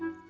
ya ya gak